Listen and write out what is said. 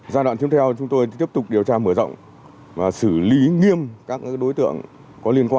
giai đoạn tiếp theo chúng tôi tiếp tục điều tra mở rộng và xử lý nghiêm các đối tượng có liên quan